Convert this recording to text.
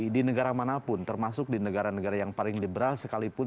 di negara manapun termasuk di negara negara yang paling liberal sekalipun